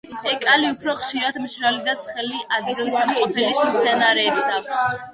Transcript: ეკალი უფრო ხშირად მშრალი და ცხელი ადგილსამყოფელის მცენარეებს აქვთ.